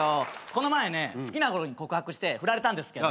この前ね好きな子に告白して振られたんですけど。